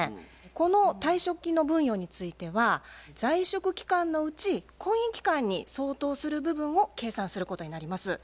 この退職金の分与については在職期間のうち婚姻期間に相当する部分を計算することになります。